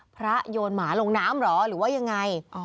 โยนหมาลงน้ำเหรอหรือว่ายังไง